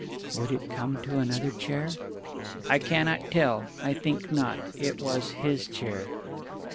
"Would it come to another chair?" "I cannot tell. I think not. It was his chair."